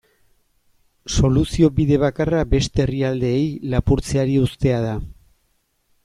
Soluzio bide bakarra beste herrialdeei lapurtzeari uztea da.